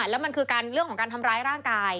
แล้วมันคือการเรื่องของการทำร้ายร่างกาย